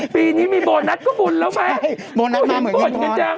ปีนี้มีโบนัสก็บุญแล้วแม่โอ้โฮบุญกันจังใช่โบนัสมาเหมือนเงินทร